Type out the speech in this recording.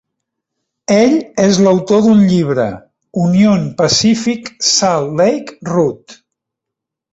Ell és l'autor d'un llibre "Union Pacific: Salt Lake Route".